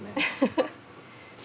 ハハハッ。